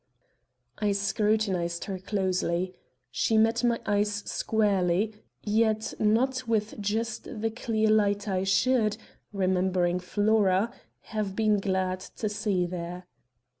I scrutinized her closely. She met my eyes squarely, yet not with just the clear light I should, remembering Flora, have been glad to see there.